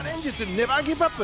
ネバーギブアップ。